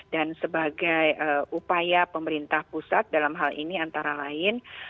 dan sebagai upaya pemerintah pusat dalam hal ini antara lain